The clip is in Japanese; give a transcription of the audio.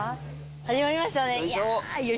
始まりましたね。